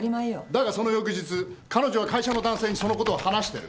だがその翌日彼女は会社の男性にそのことを話してる。